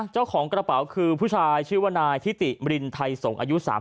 เจ้าของกระเป๋าคือผู้ชายชื่อว่านายทิติรินไทยสงศ์อายุ๓๐